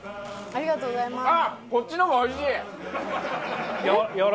ありがとうございます。